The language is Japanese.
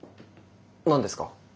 何ですか？